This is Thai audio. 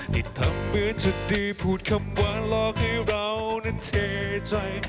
ที่ทำเหมือนฉันดีพูดคำว่าหลอกให้เรานั้นเทใจ